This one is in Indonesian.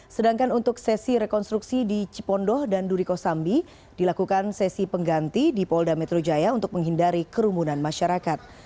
sedangkan untuk sesi rekonstruksi di cipondoh dan duriko sambi dilakukan sesi pengganti di polda metro jaya untuk menghindari kerumunan masyarakat